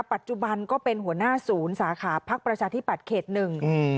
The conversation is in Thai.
ปัจจุบันก็เป็นหัวหน้าศูนย์สาขาพักประชาธิบัติเขตหนึ่งอืม